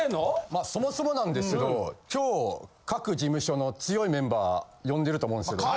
まあそもそもなんですけど今日各事務所の強いメンバー呼んでると思うんですけど。